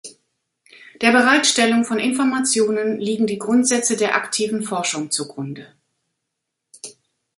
Der Bereitstellung von Informationen liegen die Grundsätze der aktiven Forschung zugrunde.